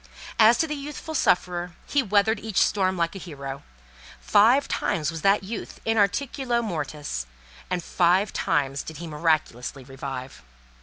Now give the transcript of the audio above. As to the youthful sufferer, he weathered each storm like a hero. Five times was that youth "in articulo mortis," and five times did he miraculously revive.